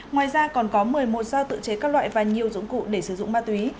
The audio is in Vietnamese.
ngoài ra còn có một mươi một sao tự chế các loại và nhiều dụng cụ để sử dụng ma túy